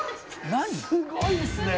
すごいですね！